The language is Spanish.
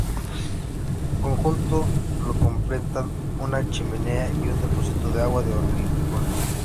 El conjunto lo completan una chimenea y un depósito de agua de hormigón.